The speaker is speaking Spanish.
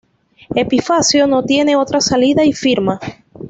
Epifanio no tiene otra salida y firma.